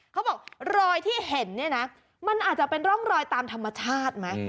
เขาบอกรอยที่เห็นเนี่ยนะมันอาจจะเป็นร่องรอยตามธรรมชาติไหม